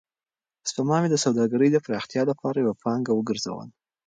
سپما مې د سوداګرۍ د پراختیا لپاره یوه پانګه وګرځوله.